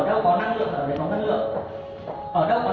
ở đâu có năng lượng ở đấy có gì